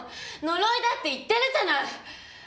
呪いだって言ってるじゃない！